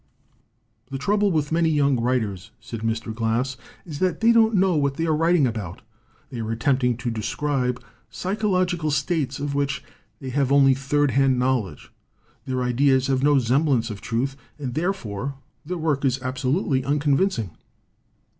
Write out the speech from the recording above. "The trouble with many young writers," said Mr. Glass, "is that they don't know what they are writing about. They are attempting to de scribe psychological states of which they have only third hand knowledge. Their ideas have no semblance of truth, and therefore their work is absolutely unconvincing."